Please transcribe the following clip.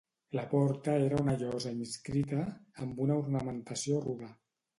La porta era una llosa inscrita, amb una ornamentació rude.